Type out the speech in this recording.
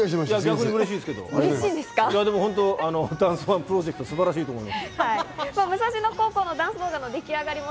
いや本当にダンスＯＮＥプロジェクト、素晴らしいと思います。